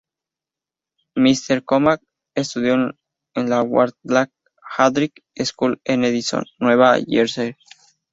McCormack estudió en la Wardlaw-Hartridge School en Edison, Nueva Jersey.